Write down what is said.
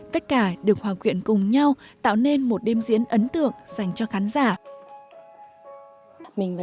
tất cả được hòa quyện cùng nhau tạo nên một đêm diễn ấn tượng dành cho khán giả